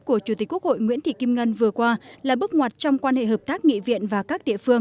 của chủ tịch quốc hội nguyễn thị kim ngân vừa qua là bước ngoặt trong quan hệ hợp tác nghị viện và các địa phương